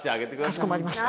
かしこまりました。